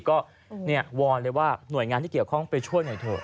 ก็วอนเลยว่าหน่วยงานที่เกี่ยวข้องไปช่วยหน่อยเถอะ